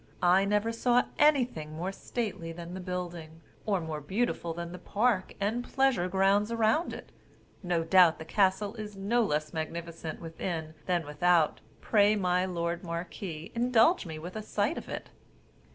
I never saw anything more stately than the building, or more beautiful than the park and pleasure grounds around it; no doubt the castle is no less magnificent within than without: pray, my lord marquis, indulge me with a sight of it."